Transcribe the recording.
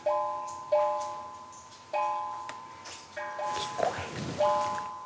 聞こえる。